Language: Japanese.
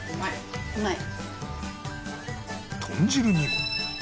豚汁にも